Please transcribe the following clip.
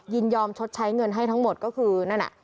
ยินยอมชดใช้เงินให้ทั้งหมดก็คือนั่นน่ะ